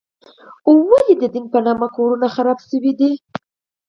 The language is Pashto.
ولې د دین په نامه کورونه وران شوي دي؟